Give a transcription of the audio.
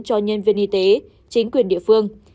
cho nhân viên y tế chính quyền địa phương